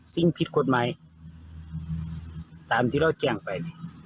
สิ่งผิดกฎหมายตามที่เราแจ้งไป